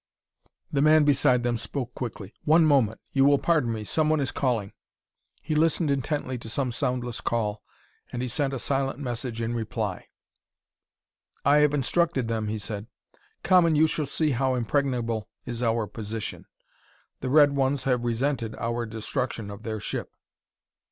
The man beside them spoke quickly. "One moment you will pardon me someone is calling " He listened intently to some soundless call, and he sent a silent message in reply. "I have instructed them," he said. "Come and you shall see how impregnable is our position. The red ones have resented our destruction of their ship."